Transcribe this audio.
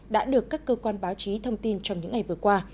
đã được các cơ quan báo chí thông tin trong những ngày vừa qua